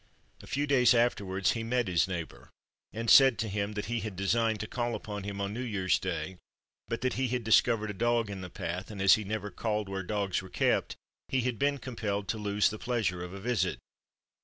A few days afterwards he met his neighbor, and said to him that he had designed to call upon him on New Year's Day, but that he had discovered a dog in the path, and as he never called where dogs were kept, he had been compelled to lose the pleasure of a visit.